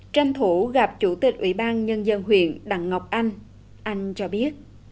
tranh thủ gặp chủ tịch ủy ban nhân dân huyện đặng ngọc anh anh cho biết